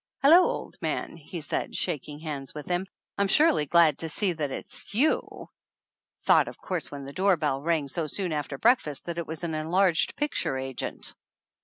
"Hello, old man," he said, shaking hands with him. "I'm surely glad to see that it's you. Thought of course when the door bell rang so soon after breakfast that it was an enlarged picture agent!"